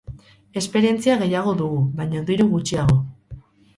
Esperientzia gehiago dugu, baina diru gutxiago.